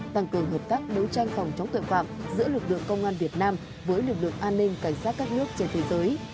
tăng cường hợp tác đấu tranh phòng chống tội phạm giữa lực lượng công an việt nam với lực lượng an ninh cảnh sát các nước trên thế giới